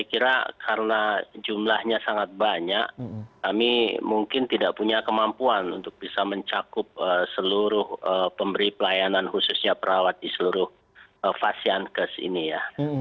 saya kira karena jumlahnya sangat banyak kami mungkin tidak punya kemampuan untuk bisa mencakup seluruh pemberi pelayanan khususnya perawat di seluruh fasian kes ini ya